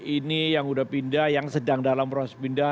ini yang sudah pindah yang sedang dalam proses pindah